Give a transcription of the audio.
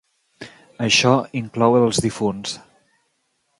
Això inclou els difunts.